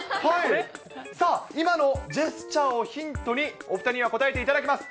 さあ、今のジェスチャーをヒントにお２人には答えていただきます。